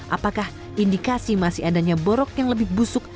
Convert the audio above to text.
apakah indikasi masih adanya borok yang lebih busuk